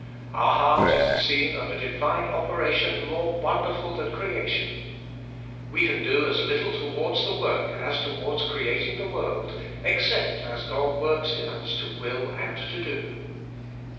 Our heart is the scene of a divine operation more wonderful than Creation. We can do as little towards the work as towards creating the world, except as God works in us to will and to do.